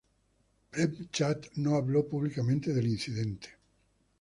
Prem Chand no habló públicamente del incidente.